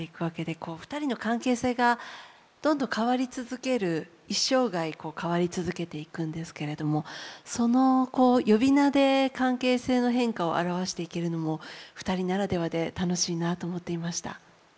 こう２人の関係性がどんどん変わり続ける一生涯変わり続けていくんですけれどもその呼び名で関係性の変化を表していけるのも２人ならではで楽しいなと思っていました。